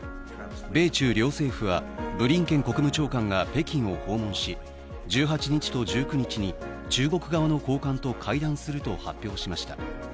米中両政府は、ブリンケン国務長官が北京を訪問し、１８日と１９日に中国側の高官と会談すると発表しました。